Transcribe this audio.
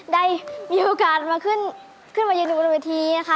ได้มีโอกาสมาขึ้นขึ้นมายืนอแบบนี้นะคะ